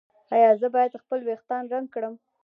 ایا زه باید خپل ویښتان رنګ کړم؟